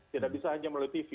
tidak bisa hanya melalui tv